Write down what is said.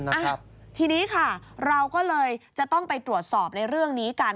อ่ะทีนี้ค่ะเราก็เลยจะต้องไปตรวจสอบในเรื่องนี้กัน